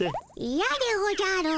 イヤでおじゃる。